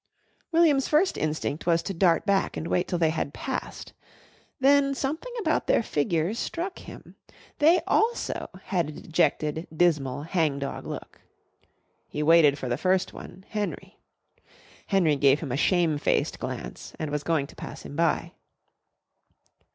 William's first instinct was to dart back and wait till they had passed. Then something about their figures struck him. They also had a dejected, dismal, hang dog look. He waited for the first one, Henry. Henry gave him a shamefaced glance and was going to pass him by.